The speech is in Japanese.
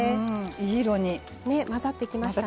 いい色に混ざってきましたね。